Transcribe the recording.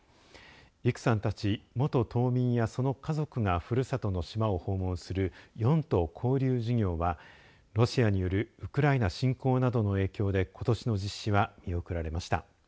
イクさんたち元島民やその家族がふるさとの島を訪問する四島交流事業はロシアによるウクライナ侵攻などの影響でことしの実施は見送られました。